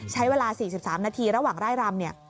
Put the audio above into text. ใช้เวลา๔๓นาทีระหว่างไร่รำเนี่ย